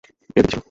এটাতে কি ছিল?